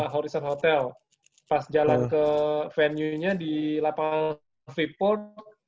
horizon hotel pas jalan ke venue nya di lapangan free pon